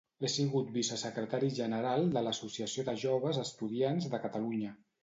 He sigut vicesecretari general de l'Associació de Joves Estudiants de Catalunya.